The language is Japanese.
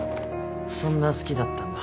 そんな好きだったんだ